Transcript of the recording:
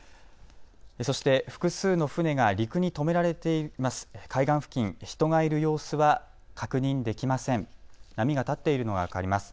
そして複数の船が陸に止められています。